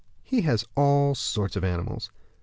"He has all sorts of animals."